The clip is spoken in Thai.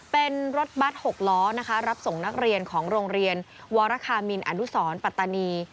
เป็นรถบัตร๖ล้อนะคะรับส่งนักเรียนของโรงเรียนวรคามินอนุสรปัตตานี